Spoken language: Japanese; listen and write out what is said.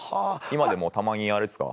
今でもたまにあれですか？